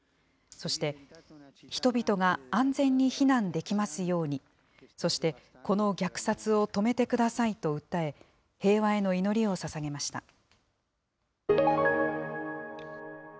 そして、人々が安全に避難できますように、そして、この虐殺を止めてくださいと訴え、平和への祈りをささげました。